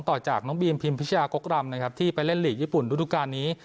ต่อจากน้องบีมพิมพิชยากกรำนะครับที่ไปเล่นหลีกญี่ปุ่นฤดูการนี้